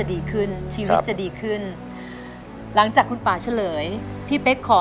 โดยเราไม่รอด